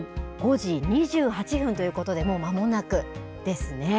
日の入りの時刻は、午後５時２８分ということで、もうまもなくですね。